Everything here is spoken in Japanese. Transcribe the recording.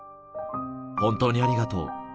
本当にありがとう。